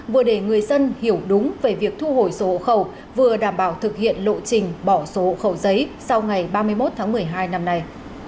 vừa để người dân hiểu đúng về việc thu hồi sổ hộ khẩu vừa đảm bảo thực hiện lộ trình bỏ sổ hộ khẩu giấy sau ngày ba mươi một tháng một mươi hai năm nay